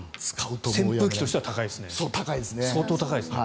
扇風機としては相当高いですね。